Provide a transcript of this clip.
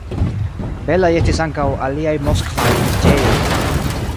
Belaj estis ankaŭ aliaj moskvaj preĝejoj.